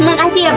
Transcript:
ya kongkosnya bu